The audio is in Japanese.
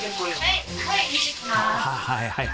はい